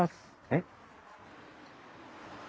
えっ？